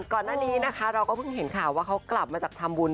ก่อนหน้านี้นะคะเราก็เพิ่งเห็นข่าวว่าเขากลับมาจากทำบุญ